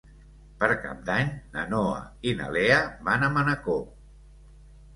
Per Cap d'Any na Noa i na Lea van a Manacor.